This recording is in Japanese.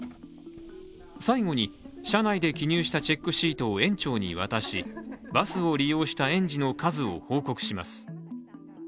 最後に車内で記入したチェックシートを園長に渡しバスを利用した園児の数を報告します。